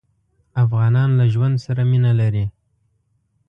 افغانان له ژوند سره مينه لري.